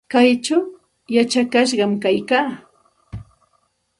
Kaychaw yachakashqam kaykaa.